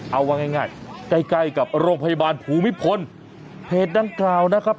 เอาไว้ง่ายใกล้กับโรงพยาบาลผูมิภลเพจดั้งกล่าวนะครับ